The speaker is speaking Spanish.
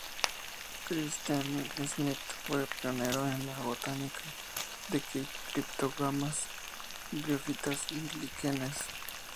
Christen Smith fue pionero en la botánica de criptógamas, briófitas y líquenes.